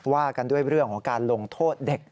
ว่ากันด้วยเรื่องของการลงโทษเด็ก